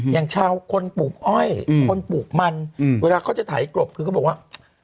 อย่างชาวคนปลูกอ้อยคนปลูกมันเวลาเขาจะถ่ายกลบคือเขาบอกว่า